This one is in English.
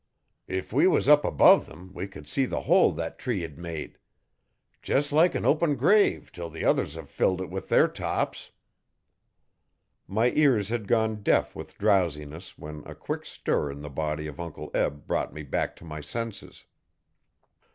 If we was up above them we could see the hole thet tree hed made. Jes' like an open grave till the others hev filed it with their tops.' My ears had gone deaf with drowsiness when a quick stir in the body of Uncle Eb brought me back to my senses.